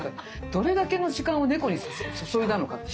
どれだけの時間を猫に注いだのか。